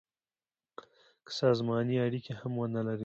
که سازماني اړیکي هم ونه لري.